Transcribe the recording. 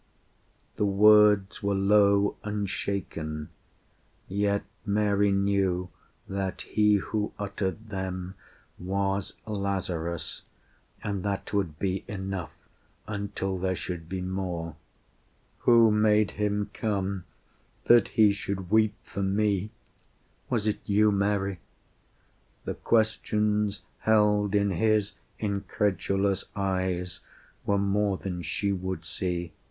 The words were low and shaken, Yet Mary knew that he who uttered them Was Lazarus; and that would be enough Until there should be more ... "Who made Him come, That He should weep for me? ... Was it you, Mary?" The questions held in his incredulous eyes Were more than she would see.